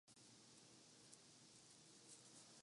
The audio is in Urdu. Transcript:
سچ ہے ہمیں کو آپ کے شکوے بجا نہ تھے